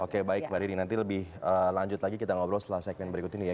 oke baik mbak riri nanti lebih lanjut lagi kita ngobrol setelah segmen berikut ini ya